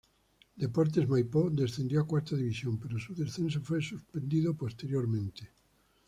Deportes Maipo descendió a Cuarta División pero su descenso fue suspendido posteriormente.